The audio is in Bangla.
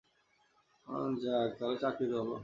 যাক, চাকরি তো হলো।